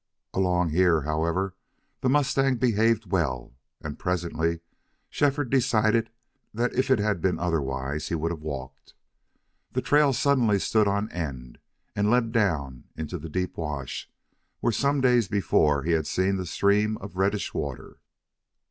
Along here, however, the mustang behaved well, and presently Shefford decided that if it had been otherwise he would have walked. The trail suddenly stood on end and led down into the deep wash, where some days before he had seen the stream of reddish water.